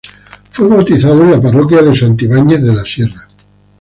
Fue bautizado en la parroquia de Santibáñez de la Sierra.